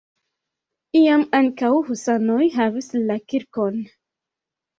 Iam ankaŭ husanoj havis la kirkon.